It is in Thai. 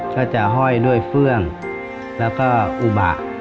ก็จะห้อยด้วยเฟื่องแล้วก็อุบะ